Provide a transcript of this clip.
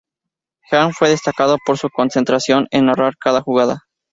Hearn fue destacado por su concentración en narrar cada jugada.